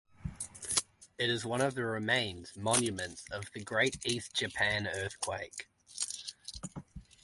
It is one of the remains (monuments) of the Great East Japan Earthquake.